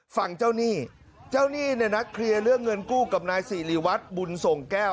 ฝั่งเจ้าหนี้เจ้าหนี้เนี่ยนัดเคลียร์เรื่องเงินกู้กับนายสิริวัตรบุญส่งแก้ว